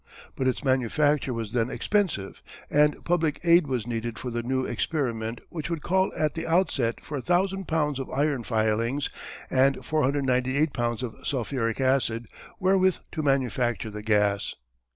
But its manufacture was then expensive and public aid was needed for the new experiment which would call at the outset for a thousand pounds of iron filings and 498 pounds of sulphuric acid wherewith to manufacture the gas.